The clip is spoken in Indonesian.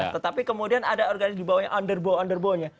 tetapi kemudian ada organisasi dibawanya underbow underbownya